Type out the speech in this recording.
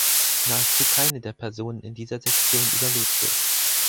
Nahezu keine der Personen in dieser Sektion überlebte.